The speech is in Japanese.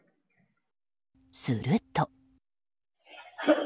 すると。